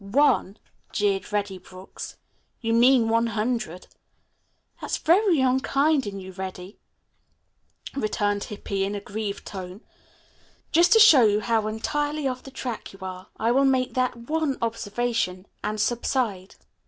"One," jeered Reddy Brooks. "You mean one hundred." "That's very unkind in you, Reddy," returned Hippy in a grieved tone. "Just to show you how entirely off the track you are I will make that one observation and subside."